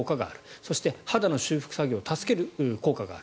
そして肌の修復作業助ける効果がある。